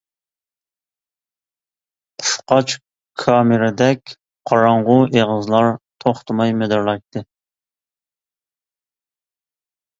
قۇشقاچ كامىرىدەك قاراڭغۇ ئېغىزلار توختىماي مىدىرلايتتى.